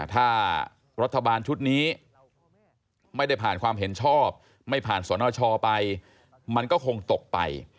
ถ้ารัฐบาลชุดนี้ไม่ได้ผ่านความเห็นชอบไม่ผ่านสนชไปมันก็คงตกไป